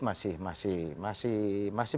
masih masih masih